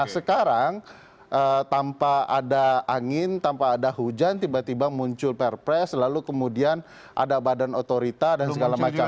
sekarang tanpa ada angin tanpa ada hujan tiba tiba muncul perpres lalu kemudian ada badan otorita dan segala macam